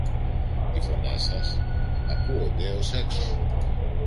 Οι φωνές σας ακούονται ως έξω!